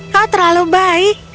kau terlalu baik